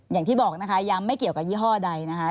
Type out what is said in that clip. อย่างที่บอกนะคะย้ำไม่เกี่ยวกับยี่ห้อใดนะคะ